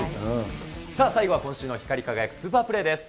さあ、最後は今週の光り輝くスーパープレーです。